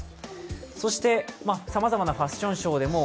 そしてさまざまなファッションショーでも